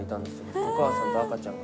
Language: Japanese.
お母さんと赤ちゃんが。